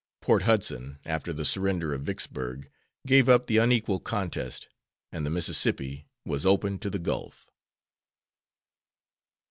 Port Hudson, after the surrender of Vicksburg, gave up the unequal contest, and the Mississippi was open to the Gulf.